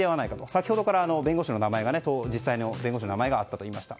先ほどから実際の弁護士の名前があったといいました。